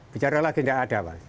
bicara lagi tidak ada pak